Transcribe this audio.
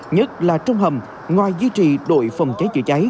nhất là trong hầm ngoài giữ trì đội phòng trái chữa trái